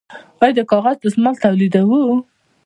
آیا د کاغذ دستمال تولیدوو؟